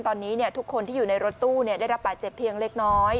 ตอนนี้ทุกคนที่อยู่ในรถตู้ได้รับบาดเจ็บเพียงเล็กน้อย